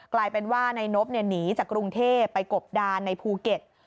กลายเป็นว่านายนบหนีจากกรุงเทพไปกบดานในภูเก็ต